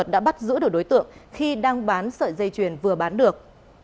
đã bắt giữ được đối tượng khi đang bán sợi dây chuyền vừa bán được